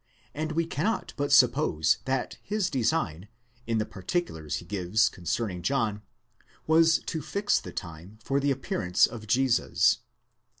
* and we cannot but suppose that his design, in the particulars he gives concerning John, was to fix the time for the appearance of Jesus.